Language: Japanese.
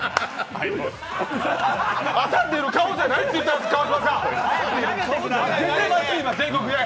朝出る顔じゃないって言ったんです、川島さん。